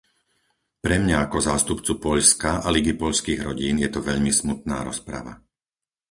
Pre mňa ako zástupcu Poľska a Ligy poľských rodín je to veľmi smutná rozprava.